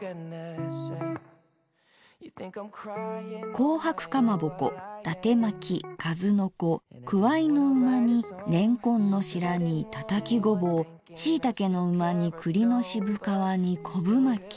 紅白かまぼこ伊達まきかずのこくわいの旨煮れんこんの白煮たたきごぼうしいたけのうま煮栗の渋皮煮こぶまき。